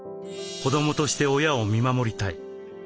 子どもとして親を見守りたい。